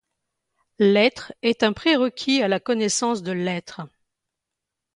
L'être est un prérequis à la connaissance de l'être.